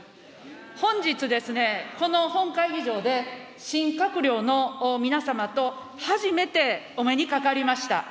本日ですね、この本会議場で新閣僚の皆様と初めてお目にかかりました。